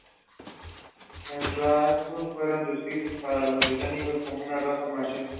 Los rajput fueron descritos por los británicos como una "raza marcial".